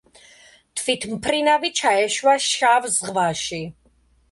თვითმფრინავი ჩაეშვა შავ ზღვაში.